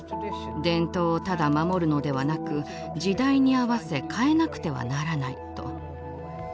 伝統をただ守るのではなく時代に合わせ変えなくてはならないと。